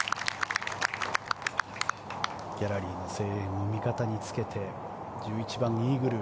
ギャラリーの声援を味方につけて１１番、イーグル。